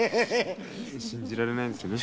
信じられないですね。